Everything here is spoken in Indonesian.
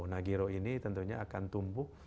nah giro ini tentunya akan tumbuh